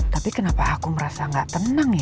tapi kenapa aku merasa gak tenang ya